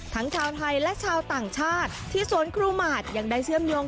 ทั้งชาวไทยและชาวต่างชาติที่สวนครูหมาดยังได้เชื่อมโยง